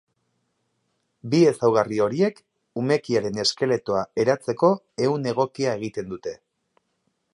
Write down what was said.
Bi ezaugarri horiek umekiaren eskeletoa eratzeko ehun egokia egiten dute.